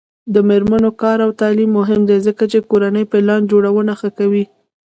د میرمنو کار او تعلیم مهم دی ځکه چې کورنۍ پلان جوړونه ښه کوي.